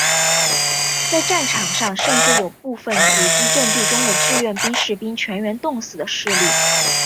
在战场上甚至有部分阻击阵地中的志愿兵士兵全员冻死的事例。